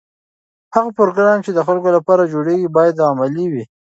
هغه پروګرام چې د خلکو لپاره جوړیږي باید عملي وي.